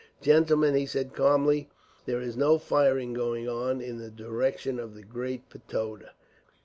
"Gentlemen," he said calmly, "there is no firing going on in the direction of the Great Pagoda.